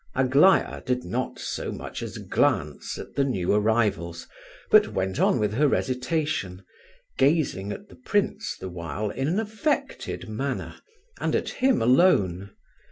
Aglaya did not so much as glance at the new arrivals, but went on with her recitation, gazing at the prince the while in an affected manner, and at him alone.